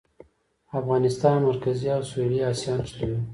افغانستان مرکزي او سویلي اسیا نښلوي